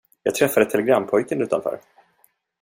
Jag träffade telegrampojken utanför.